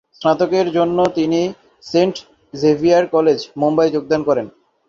স্নাতকের জন্য তিনি "saint Xavier college", Mumbai যোগদান করেন।